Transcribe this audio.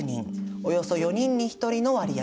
およそ４人に１人の割合です。